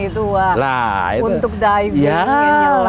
togian itu untuk diving